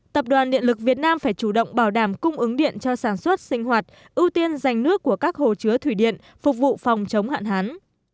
tập đoàn điện lực việt nam phải chủ động bảo đảm cung ứng điện cho sản xuất sinh hoạt ưu tiên dành nước của các hồ chứa thủy điện phục vụ phòng chống hạn hán